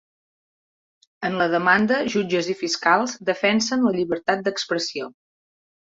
En la demanda jutges i fiscals defensen la llibertat d'expressió